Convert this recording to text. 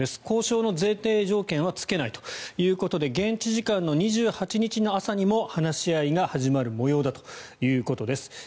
交渉の前提条件はつけないということで現地時間の２８日の朝にも話し合いが始まる模様だということです。